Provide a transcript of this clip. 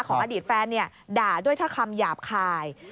ของอดีตแฟนเนี่ยด่าด้วยท่าคำหยาบคาย